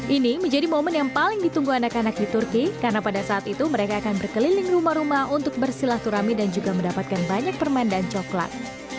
ini menjadi momen yang paling ditunggu anak anak di turki karena pada saat itu mereka akan berkeliling rumah rumah untuk bersilaturahmi dan juga mendapatkan banyak permainan coklat